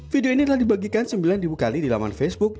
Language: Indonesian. video ini telah dibagikan sembilan ribu kali di laman facebook